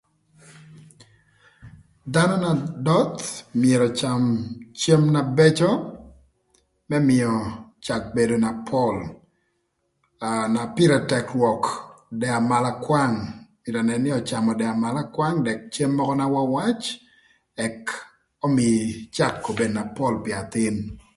Dhanö na doth myero ocam cem na bëcö më mïö cak bedo na pol aa na pïrë tëk rwök dëk amalakwang, myero önën nï öcamö dëk amalakwang ëka dëk cem mökö na wawac ëk ömïi cem obed na pol pï athïn.